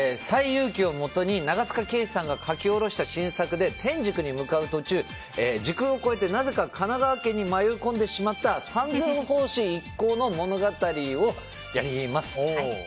「西遊記」をもとに長塚圭史さんが書き下ろした新作で天竺に向かう途中、時空を超えてなぜか神奈川県に迷い込んでしまった三蔵法師一行の物語をやります。